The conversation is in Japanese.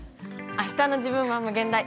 あしたの自分はむげん大。